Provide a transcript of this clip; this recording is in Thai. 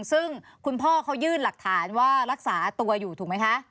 ซึ่งคุณพ่อเขายื่นหลักฐานว่ารักษาตัวอยู่ถูกไหมคะ